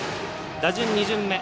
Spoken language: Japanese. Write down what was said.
打順２巡目。